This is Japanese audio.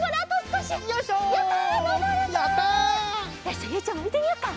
じゃあゆいちゃんもいってみよっか。